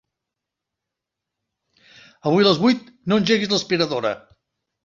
Avui a les vuit no engeguis l'aspiradora.